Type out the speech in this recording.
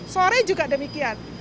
sore juga demikian